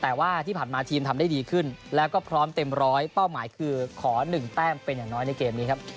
แต่ว่าที่ผ่านมาทีมทำได้ดีขึ้นแล้วก็พร้อมเต็มร้อยเป้าหมายคือขอ๑แต้มเป็นอย่างน้อยในเกมนี้ครับ